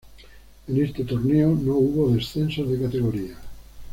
En este torneo no hubo descensos de categoría.